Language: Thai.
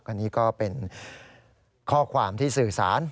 อันนี้ก็เป็นข้อความที่สื่อสาร